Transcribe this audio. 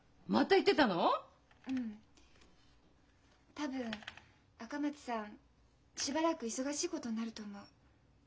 多分赤松さんしばらく忙しいことになると思う。